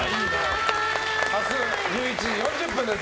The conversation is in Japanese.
明日１１時４０分です。